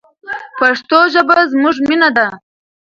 پښتو ژبه زموږ مینه ده.